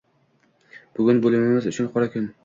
Bugun bo`limimiz uchun qora kun